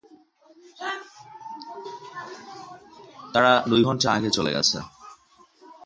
তারা দুই ঘন্টা আগে চলে গেছে!